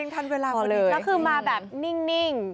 ทันเวลาพอดีพอเลยพอเลยแล้วคือมาแบบนิ่ง